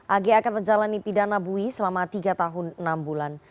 ag akan menjalani pidana bui selama tiga tahun enam bulan